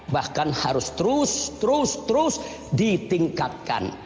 bahkan harus terus terus ditingkatkan